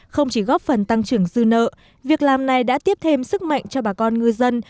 không chỉ góp phần tăng trưởng dư nợ việc làm này đã tiếp thêm sức mạnh cho bà con ngư dân